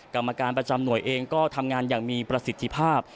กรรมการประจำหน่วยเองก็ทำงานอย่างมีประสิทธิภาพ